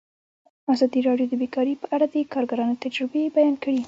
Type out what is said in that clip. ازادي راډیو د بیکاري په اړه د کارګرانو تجربې بیان کړي.